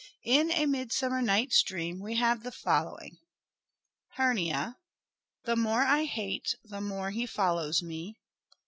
In " A Midsummer Night's Dream " we have the following :— Hernia. The more I hate the more he follows me.